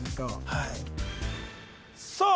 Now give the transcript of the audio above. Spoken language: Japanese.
はいさあ